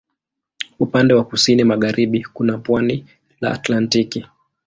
Upande wa kusini magharibi kuna pwani la Atlantiki.